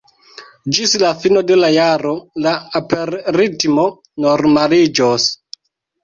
Ĝis la fino de la jaro la aperritmo normaliĝos.